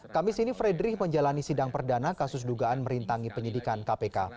kamis ini fredrich menjalani sidang perdana kasus dugaan merintangi penyidikan kpk